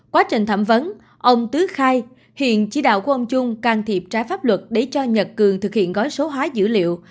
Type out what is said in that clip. quá trình thẩm vấn ông tứ khai hiện chỉ đạo của ông trung can thiệp trái pháp luật để cho nhật cường thực hiện gói số hóa dữ liệu